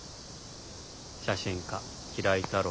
「写真家平井太郎」。